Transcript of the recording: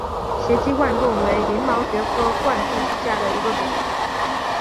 斜基贯众为鳞毛蕨科贯众属下的一个种。